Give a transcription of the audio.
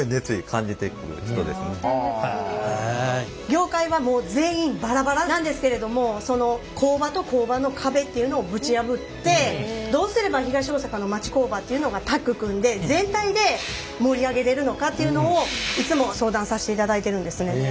業界はもう全員バラバラなんですけれどもその工場と工場の壁っていうのをぶち破ってどうすれば東大阪の町工場っていうのがタッグ組んで全体で盛り上げれるのかっていうのをいつも相談させていただいてるんですね。